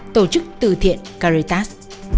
tổ chức từ thiện caritas